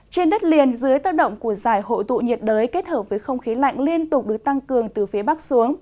trên đất liền dưới tác động của giải hội tụ nhiệt đới kết hợp với không khí lạnh liên tục được tăng cường từ phía bắc xuống